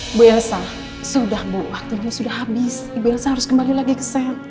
ibu elsa sudah bu waktunya sudah habis ibu elsa harus kembali lagi ke sel